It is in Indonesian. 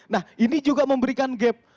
nah ini juga memberikan gap